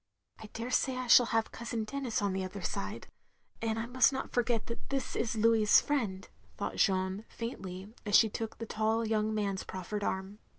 "I daresay I shall have Cousin Denis on the other side, and I must not forget that this is 276 THE LONELY LADY Louis's friend," thought Jeanne, faintly, as she took the tall young man's proffered arm.